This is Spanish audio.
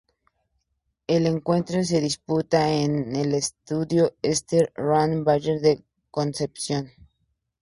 El encuentro se disputó en el Estadio Ester Roa Rebolledo de Concepción.